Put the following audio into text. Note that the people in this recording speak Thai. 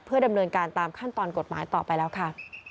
ดำเนินการตามขั้นตอนกฎหมายต่อไปแล้วค่ะ